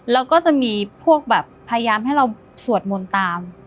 แล้วก็จะมีพวกแบบพยายามให้เราสวดมนต์ตาม